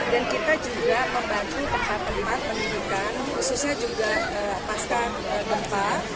dan kita juga membantu tempat tempat pendidikan khususnya juga pasca gempa